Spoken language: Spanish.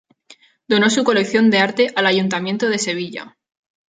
Donó su colección de arte al Ayuntamiento de Sevilla.